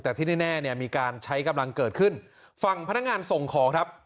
แต่ที่แน่เนี่ยมีการใช้กำลังเกิดขึ้นฝั่งพนักงานส่งของครับ